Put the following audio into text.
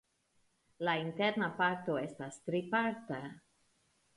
La interna parto estas triparta.